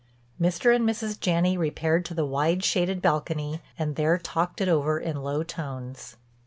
Mr. and Mrs. Janney repaired to the wide shaded balcony and there talked it over in low tones.